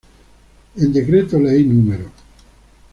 En Decreto Ley No.